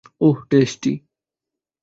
ওহ, tasty.